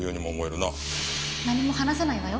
何も話さないわよ。